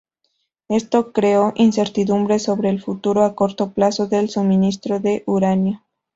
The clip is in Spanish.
Esto creó incertidumbre sobre el futuro a corto plazo del suministro de uranio.